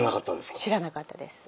知らなかったです。